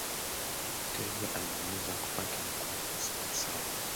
mteja anaweza kupata mkopo wa siku saba